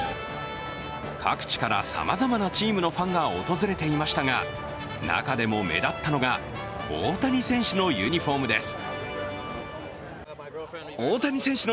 各地からさまざまなチームのファンが訪れていましたが、中でも目立ったのが大谷選手のユニフォームです。